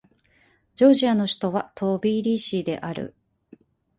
ジョージアの首都はトビリシである